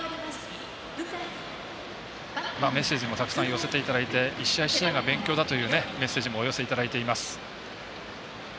メッセージもたくさん寄せていただいて１試合１試合が勉強だというメッセージもお寄せいただいています。